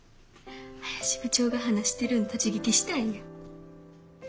林部長が話してるん立ち聞きしたんや。